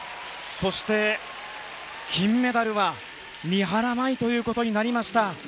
そして、金メダルは三原舞依ということになりました。